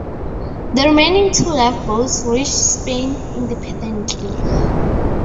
The remaining two lifeboats reached Spain independently.